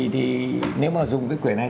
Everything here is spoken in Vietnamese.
thì nếu mà dùng cái quyền này